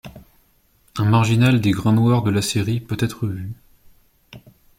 Un marginal des grains noirs de la série peut être vu.